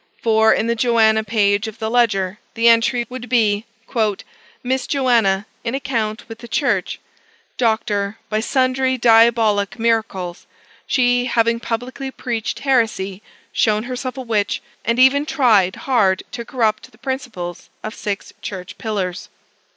For in the Joanna page of the ledger the entry would be "Miss Joanna, in acct. with the Church, Dr. by sundry diabolic miracles, she having publicly preached heresy, shown herself a witch, and even tried hard to corrupt the principles of six church pillars."